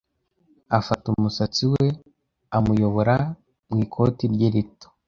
afata umusatsi we amuyobora mu ikoti rye rito